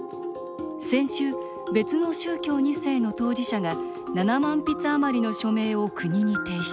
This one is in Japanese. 先週、別の宗教２世の当事者が７万筆余りの署名を国に提出。